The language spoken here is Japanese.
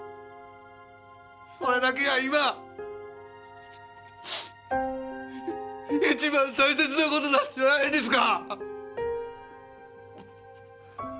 それだけが今一番大切な事なんじゃないですか！